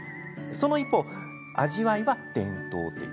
その一方、味わいは伝統的。